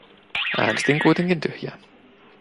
Äänestin kuitenkin tyhjää.